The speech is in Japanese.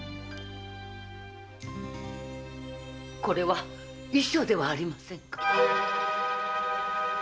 これは遺書ではありませぬか